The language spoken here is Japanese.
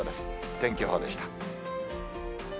天気予報でした。